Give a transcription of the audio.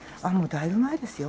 だいぶ前ですよ。